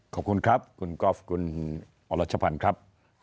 ขอบคุณครับคุณกอล์ฟคุณอรัชพันธ์ครับ